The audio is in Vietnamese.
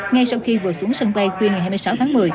ngay sau khi vừa xuống sân bay khuya ngày hai mươi sáu tháng một mươi